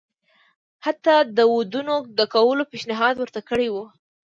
حتی د ودونو د کولو پېشنهاد ورته کړی وو.